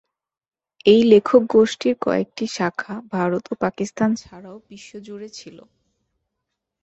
এই লেখক গোষ্ঠীর কয়েকটি শাখা ভারত ও পাকিস্তান ছাড়াও বিশ্বজুড়ে ছিল।